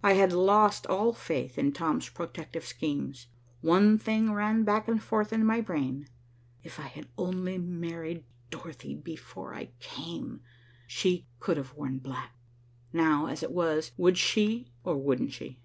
I had lost all faith in Tom's protective schemes. One thing ran back and forth in my brain. "If I had only married Dorothy before I came, she could have worn black. Now, as it was, would she or wouldn't she?"